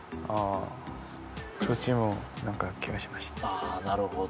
あぁなるほど。